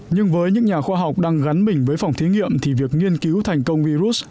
nhưng với những nhà khoa học đang gắn mình với phòng thí nghiệm thì việc nghiên cứu thành công virus